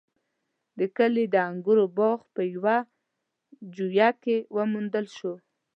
د کلي د انګورو باغ په يوه جیوه کې وموندل شو.